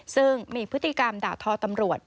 ซึ่งมีพฤติกรรมด่าทอตำรวจ